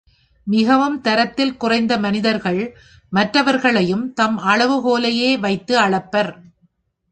மிகவும் தரத்தில் குறைந்த மனிதர்கள் மற்றவர்களையும் தம் அளவுகோலையே வைத்து அளப்பர்.